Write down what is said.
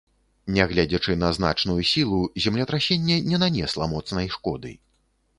Нягледзячы на значную сілу, землетрасенне не нанесла моцнай шкоды.